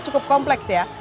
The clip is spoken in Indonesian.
cukup kompleks ya